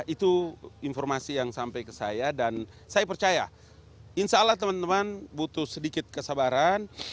itu informasi yang sampai ke saya dan saya percaya insya allah teman teman butuh sedikit kesabaran